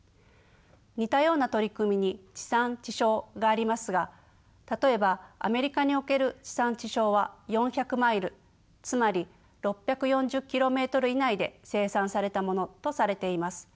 似たような取り組みに地産地消がありますが例えばアメリカにおける地産地消は４００マイルつまり６４０ｋｍ以内で生産されたものとされています。